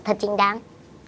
thật trình đáng